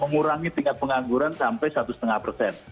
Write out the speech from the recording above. memurangi tingkat pengangguran sampai satu setengah persen